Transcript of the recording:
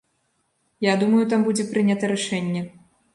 Я думаю, там будзе прынята рашэнне.